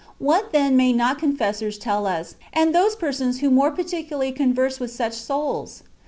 What then may not confessors tell us, and those persons who more particularly converse with such souls?